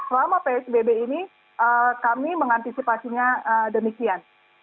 selama psbb ini kami mengantisipasinya demikian